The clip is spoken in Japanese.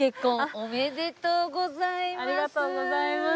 ありがとうございます。